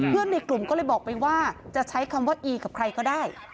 ในกลุ่มก็เลยบอกไปว่าจะใช้คำว่าอีกับใครก็ได้